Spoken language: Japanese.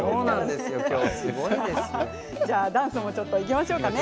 ダンスもいきましょうかね